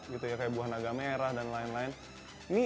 seperti buah naga merah dan lain lain